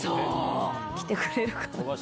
来てくれるかな？